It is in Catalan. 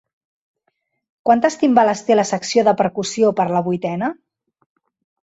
Quantes timbales té la secció de percussió per a la Vuitena?